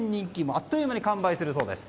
あっという間に完売するそうです。